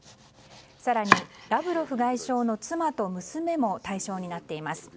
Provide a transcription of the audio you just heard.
更に、ラブロフ外相の妻と娘も対象になっています。